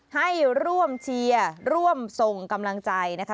ให้ร่วมเชียร์ร่วมส่งกำลังใจนะคะ